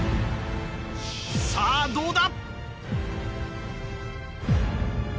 さぁどうだ